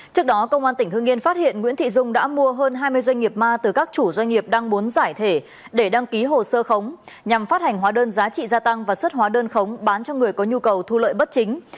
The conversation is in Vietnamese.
trước đó công an tỉnh hương yên phát hiện nguyễn thị dung đã mua hơn hai mươi doanh nghiệp ma từ các chủ doanh nghiệp đang muốn giải thể để đăng ký hồ sơ khống nhằm phát hành hóa đơn giá trị gia tăng và xuất hóa đơn khống bán cho người có nhu cầu thu lợi bất chính